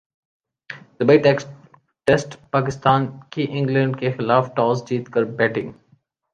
Dubai ٹیسٹپاکستان کی England کیخلاف toss جیت کر بیٹنگ